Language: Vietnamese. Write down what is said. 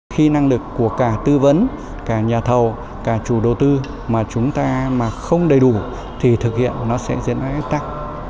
khi năng lực của cả tư vấn cả nhà thầu cả chủ đầu tư mà chúng ta mà không đầy đủ thì thực hiện nó sẽ diễn ra ách tắc